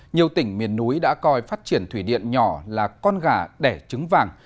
nhiều tỉnh miền núi đã coi phát triển thủy điện nhỏ là con gà đẻ trứng vàng